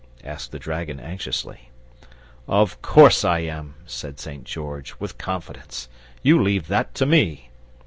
asked the dragon, anxiously. "Of course I am," said St. George, with confidence. "You leave that to me!"